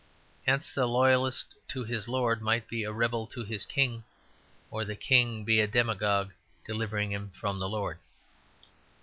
Hence the loyalist to his lord might be a rebel to his king; or the king be a demagogue delivering him from the lord.